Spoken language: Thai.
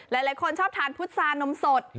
หลายคนชอบทานพุษานมสด